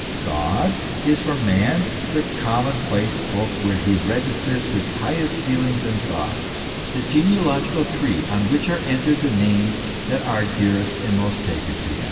God is for man the common place book where he registers his highest feelings and thoughts, the genealogical tree on which are entered the names that are dearest and most sacred to him.